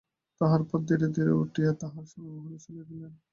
তাহার পর ধীরে ধীরে উঠিয়া তাঁহার স্বামীর মহলে চলিয়া গেলেন।